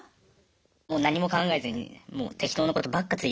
もう何も考えずにもう適当なことばっかツイートしてます。